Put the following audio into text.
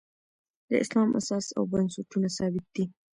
د اسلام اساس او بنسټونه ثابت دي.